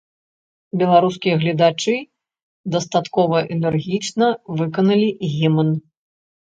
Беларускія гледачы дастаткова энергічна выканалі гімн.